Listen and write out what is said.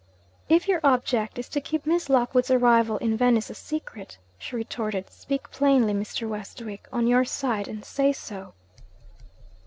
'If your object is to keep Miss Lockwood's arrival in Venice a secret,' she retorted, 'speak plainly, Mr. Westwick, on your side, and say so.'